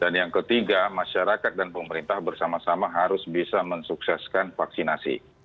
dan yang ketiga masyarakat dan pemerintah bersama sama harus bisa mensukseskan vaksinasi